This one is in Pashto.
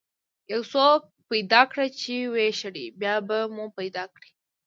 یو څوک پیدا کړه چې ويې شړي، بیا به مو پیدا کړي.